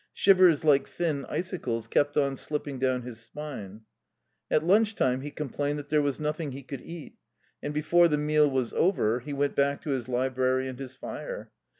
Shivers like thin icicles kept on slipping down his spine. At lunch time he complained that there was nothing he could eat, and before the meal was over he went back to his library and his fire.